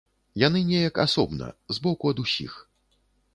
Яны неяк асобна, збоку ад усіх.